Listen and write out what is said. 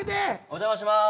お邪魔します。